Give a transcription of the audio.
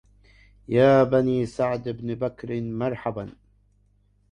يا بني سعد بن بكر مرحبا